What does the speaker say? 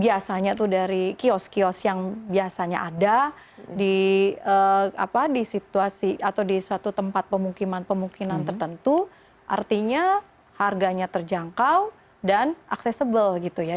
biasanya itu dari kios kios yang biasanya ada di situasi atau di suatu tempat pemukiman pemukiman tertentu artinya harganya terjangkau dan accessible gitu ya